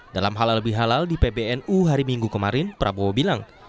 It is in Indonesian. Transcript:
dalam halal bihalal di pbnu hari minggu kemarin prabowo bilang